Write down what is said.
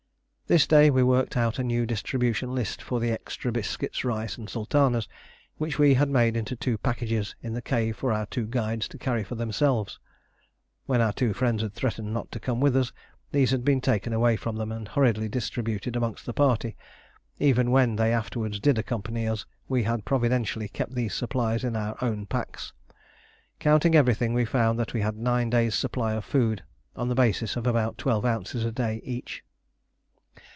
This day we worked out a new distribution list for the extra biscuits, rice, and sultanas, which we had made into two packages in the cave for our two guides to carry for themselves. When our two friends had threatened not to come with us, these had been taken away from them and hurriedly distributed amongst the party; even when they afterwards did accompany us we had providentially kept these supplies in our own packs. Counting everything, we found that we had nine days' supply of food, on the basis of about twelve ounces a day each.